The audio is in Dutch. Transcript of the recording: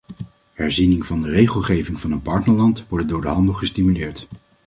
Herziening van de regelgeving van een partnerland worden door de handel gestimuleerd.